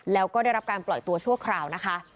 แล้วก็ได้รับการปล่อยตัวชั่วคราวนะคะ